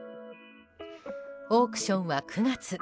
オークションは９月。